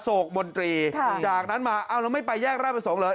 อโศกบนตรีจากนั้นมาเอาเราไม่ไปแยกล่าสประสงค์เลย